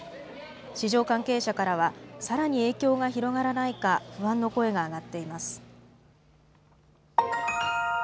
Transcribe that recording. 市場関係者からはさらに影響が広がらないか不安の声が上がっています。